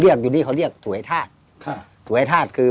อยู่นี้เขาเรียกสวยทาส